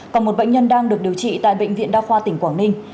còn một bệnh nhân đang được điều trị tại bệnh viện đa khoa tỉnh quảng ninh